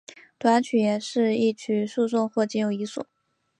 短曲是一曲数颂或仅有一颂。